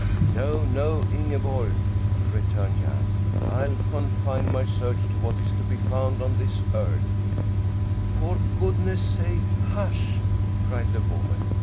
"No, no, Ingeborg!" returned Jan. "I'll confine my search to what is to be found on this earth." "For goodness sake hush!" cried the woman.